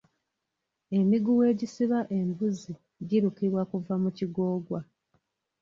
Emiguwa egisiba embuzi girukibwa kuva mu kigoogwa.